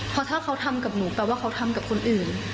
เพราะถ้าเขาทำกับหนูแปลว่าเขาทำกับคนอื่น